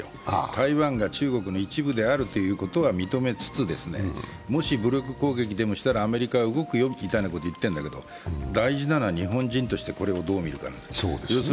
台湾が中国の一部であるということは認めつつもし武力攻撃でもしたらアメリカは動くよみたいなことを言ってるんだけど大事なのは日本人として、これをどう見るかなんです。